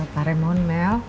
pak remon mel